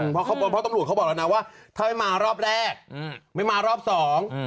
เพราะตำรวจเขาบอกแล้วนะว่าถ้าไม่มารอบแรกไม่มารอบสอง